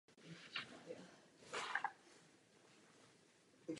Každou hodinu se musí vozidla vrátit na výchozí zastávku.